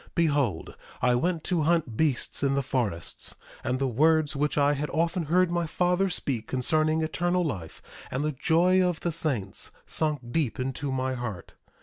1:3 Behold, I went to hunt beasts in the forests; and the words which I had often heard my father speak concerning eternal life, and the joy of the saints, sunk deep into my heart.